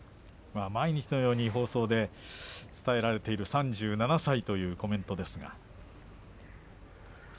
毎日のように放送で伝えられている３７歳というコメントですが。